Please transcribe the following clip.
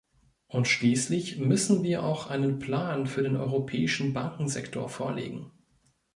Und schließlich müssen wir auch einen Plan für den europäischen Bankensektor vorlegen.